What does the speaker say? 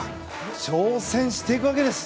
挑戦していくわけです。